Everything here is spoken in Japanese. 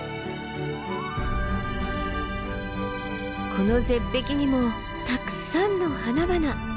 この絶壁にもたくさんの花々。